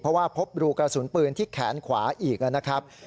เพราะว่าพบรูกระสุนปืนที่แขนขวาอีกนะครับ